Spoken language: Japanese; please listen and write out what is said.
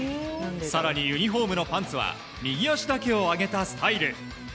更にユニホームのパンツは右足だけを上げたスタイル。